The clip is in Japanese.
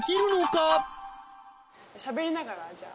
しゃべりながらじゃあ。